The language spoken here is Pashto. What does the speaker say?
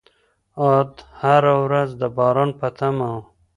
عاد هره ورځ د باران په تمه وو.